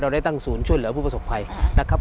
ได้ตั้งศูนย์ช่วยเหลือผู้ประสบภัยนะครับ